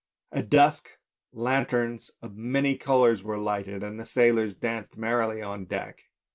At dusk lanterns of many colours were lighted and the sailors danced merrily on deck.